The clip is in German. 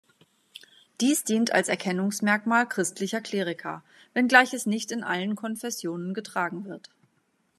Dies dient als Erkennungsmerkmal christlicher Kleriker, wenngleich es nicht in allen Konfessionen getragen wird.